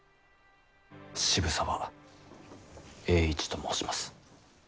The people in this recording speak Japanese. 渋沢栄一と申します。